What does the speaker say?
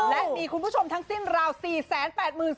และมีคุณผู้ชมทั้งสิ้นราว๔๘๐๐บาท